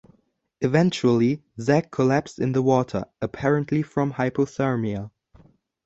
Eventually, Zack collapsed in the water, apparently from hypothermia.